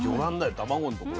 卵のところ。